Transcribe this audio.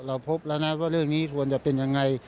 เราพบแล้วนะว่าเรื่องนี้ควรจะเป็นยังไง